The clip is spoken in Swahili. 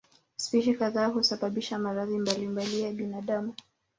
Spishi kadhaa husababisha maradhi mbalimbali ya binadamu.